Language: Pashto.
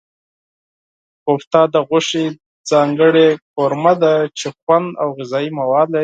کوفته د غوښې ځانګړې قورمه ده چې خوند او غذايي مواد لري.